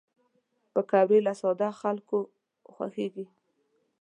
پکورې له ساده خلکو خوښېږي